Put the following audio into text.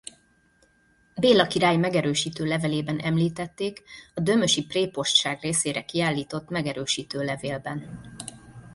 Béla király megerősítő levelében említették a dömösi prépostság részére kiállított megerősítő levélben.